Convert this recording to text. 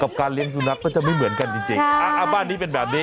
กับการเลี้ยงสุนัขก็จะไม่เหมือนกันจริง